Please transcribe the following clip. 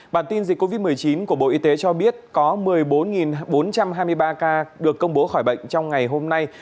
bản tin dịch covid một mươi chín của bộ y tế cho biết có một mươi bốn bốn trăm hai mươi ba ca được công bố khỏi bệnh trong ngày hôm nay